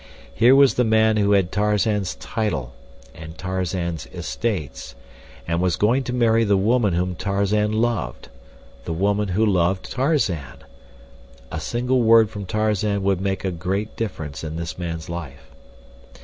Here was the man who had Tarzan's title, and Tarzan's estates, and was going to marry the woman whom Tarzan loved—the woman who loved Tarzan. A single word from Tarzan would make a great difference in this man's life.